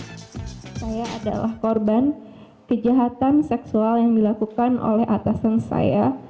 saya adalah korban kejahatan seksual yang dilakukan oleh atasan saya